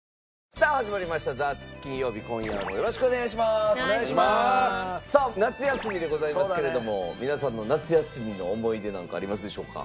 さあ夏休みでございますけれども皆さんの夏休みの思い出なんかありますでしょうか？